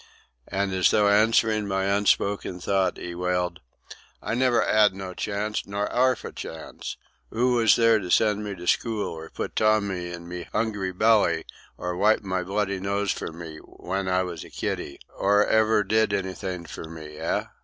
And as though answering my unspoken thought, he wailed: "I never 'ad no chance, not 'arf a chance! 'Oo was there to send me to school, or put tommy in my 'ungry belly, or wipe my bloody nose for me, w'en I was a kiddy? 'Oo ever did anything for me, heh?